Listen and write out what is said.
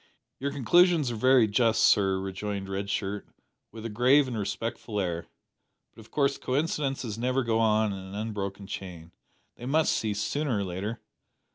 "Your conclusions are very just, sir," rejoined Red Shirt, with a grave and respectful air; "but of course coincidences never go on in an unbroken chain. They must cease sooner or later.